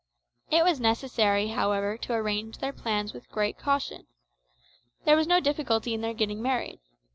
It was necessary, however, to arrange their plans with great caution. There was no difficulty in their getting married.